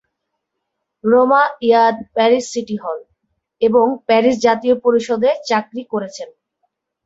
Rama Yade Paris city hall এবং Paris জাতীয় পরিষদে চাকরি করেছেন।